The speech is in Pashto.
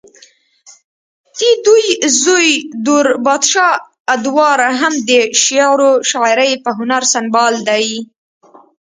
ددوي زوے دور بادشاه ادوار هم د شعرو شاعرۍ پۀ هنر سنبال دے